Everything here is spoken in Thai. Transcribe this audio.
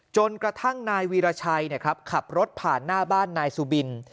จนกระทั่งนายวีรชัยขับรถผ่านหน้าบ้านนายสุบิน